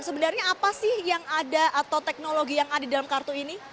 sebenarnya apa sih yang ada atau teknologi yang ada di dalam kartu ini